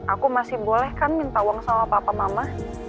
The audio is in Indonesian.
aku masih boleh kan minta uang sama papa mama